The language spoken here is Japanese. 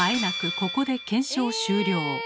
ここで検証終了。